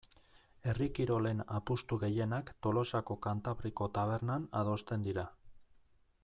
Herri kirolen apustu gehienak Tolosako Kantabriko tabernan adosten dira.